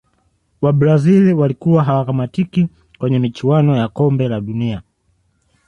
wabrazil walikuwa hawakamatiki kwenye michuano ya kombe la dunia